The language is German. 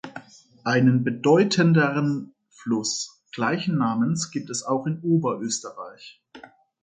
Einen bedeutenderen Fluss gleichen Namens gibt es auch in Oberösterreich.